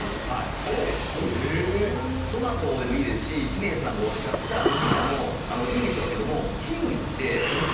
・トマトでもいいですし知念さんがおっしゃった麦茶もいいんでしょうけども。